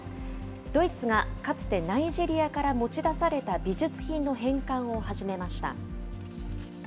ドイツがかつてナイジェリアから持ち出された美術品の返還を始めました。